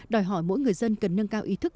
đòi hỏi mỗi người dân cần nâng cao ý thức